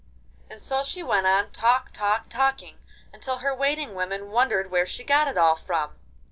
And so she went on talk, talk, talking, until her waiting women wondered where she got it all from.